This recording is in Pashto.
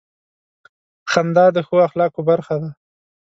• خندا د ښو اخلاقو برخه ده.